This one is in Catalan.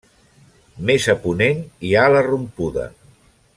Més a ponent hi ha la Rompuda.